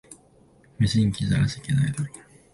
無人機じゃ味気ないだろ